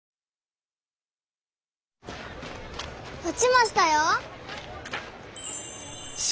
落ちましたよ。